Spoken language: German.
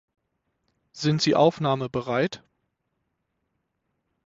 Sind Sie aufnahmebereit?